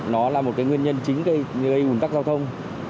nó là một cái nguyên nhân chính gây ủn tắc giao thông